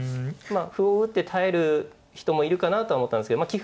歩を打って耐える人もいるかなとは思ったんですけど。